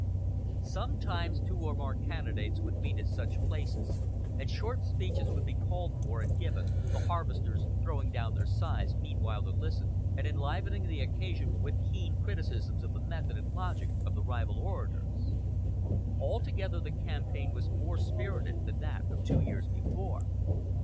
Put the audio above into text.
Sometimes two or more candidates would meet at such places, and short speeches would be called for and given, the harvesters throwing down their scythes meanwhile to listen, and enlivening the occasion with keen criticisms of the method and logic of the rival orators. Altogether the campaign was more spirited than that of two years before.